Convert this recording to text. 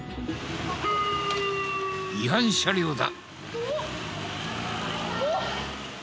違反車両だ。